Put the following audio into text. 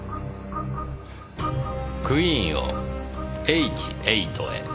クイーンをｈ８へ。